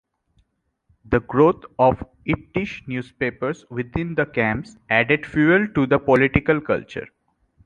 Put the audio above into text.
The growth of Yiddish newspapers within the camps added fuel to the political culture.